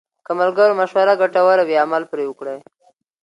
که د ملګرو مشوره ګټوره وي، عمل پرې وکړئ.